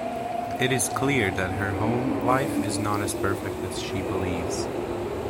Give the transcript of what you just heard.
It is clear that her home life is not as perfect as she believes.